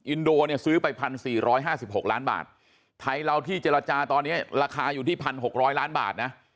อินโดเนี่ยซื้อไป๑๔๕๖ล้านบาทไทยเราที่เจรจาตอนนี้ราคาอยู่ที่๑๖๐๐ล้านบาทนะ